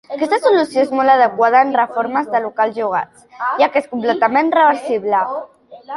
Aquesta solució és molt adequada en reformes de locals llogats, ja que és completament reversible.